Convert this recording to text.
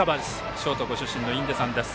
ショートご出身の印出さんです。